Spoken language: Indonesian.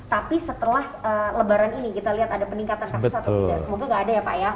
tapi setelah lebaran ini kita lihat ada peningkatan kasus atau tidak semoga gak ada ya pak ya